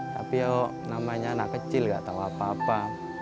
tapi ya namanya anak kecil gak tahu apa apa